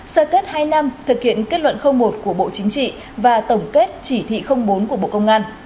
sơ kết hai năm thực hiện kết luận một của bộ chính trị và tổng kết chỉ thị bốn của bộ công an